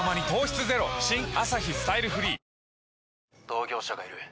同業者がいる。